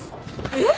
えっ。